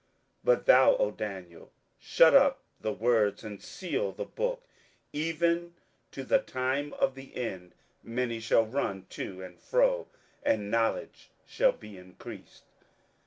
27:012:004 But thou, O Daniel, shut up the words, and seal the book, even to the time of the end: many shall run to and fro, and knowledge shall be increased.